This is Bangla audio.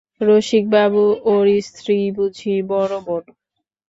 – রসিকবাবু, ওঁর স্ত্রীই বুঝি বড়ো বোন?